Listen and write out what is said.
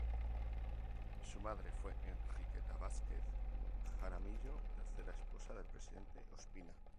Su madre fue Enriqueta Vásquez Jaramillo, tercera esposa del presidente Ospina.